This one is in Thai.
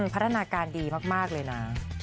พัฒนาการดีมากเลยนะ